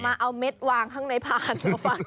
มาเอาเม็ดวางข้างในผ่านมาฟัง